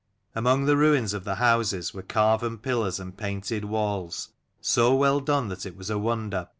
Among the ruins of the houses were carven pillars and painted walls, so well done that it was a wonder.